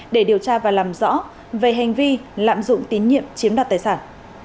để điều tra và làm rõ về hành vi lạm dụng tín nhiệm chiếm đoạt tài sản